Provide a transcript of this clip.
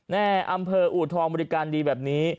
อำเภออูทองบริการดีแบบนี้